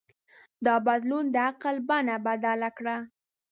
دا بدلون د عقل بڼه بدله کړه.